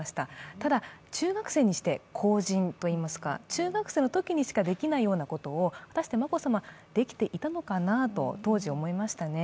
ただ、中学生にして公人といいますか、中学生のときにしかできないようなことを果たして眞子さま、できていたのかなと当時思いましたね。